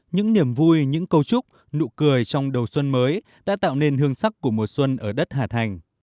những niềm vui những câu chúc nụ cười trong đầu xuân mới đã tạo nên hương sắc của mùa xuân ở đất hà thành